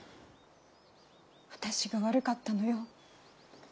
私が悪かったのよ。